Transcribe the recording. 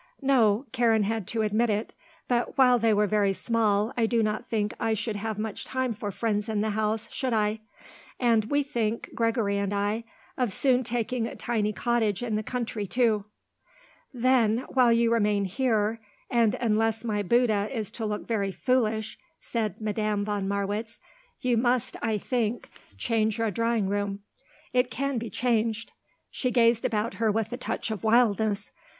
"No," Karen had to admit it; "but while they were very small I do not think I should have much time for friends in the house, should I. And we think, Gregory and I, of soon taking a tiny cottage in the country, too." "Then, while you remain here, and unless my Bouddha is to look very foolish," said Madame von Marwitz, "you must, I think, change your drawing room. It can be changed," she gazed about her with a touch of wildness.